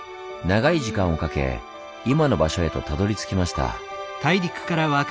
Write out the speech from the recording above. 長い時間をかけ今の場所へとたどりつきました。